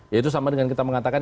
ya itu sama dengan kita mengatakan